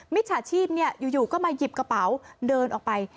จฉาชีพอยู่ก็มาหยิบกระเป๋าเดินออกไป